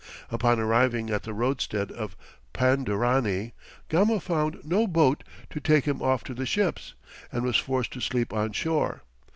Upon arriving at the roadstead of Pandarany, Gama found no boat to take him off to the ships, and was forced to sleep on shore.